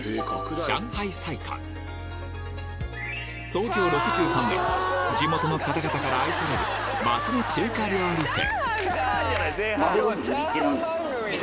創業６３年地元の方々から愛される町の中華料理店